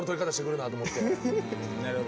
なるほど。